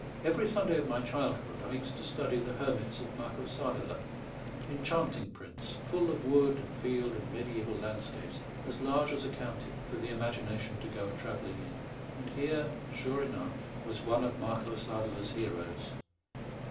Every Sunday of my childhood I used to study the Hermits of Marco Sadeler enchanting prints, full of wood and field and mediæval landscapes, as large as a county, for the imagination to go a travelling in; and here, sure enough, was one of Marco Sadeler's heroes.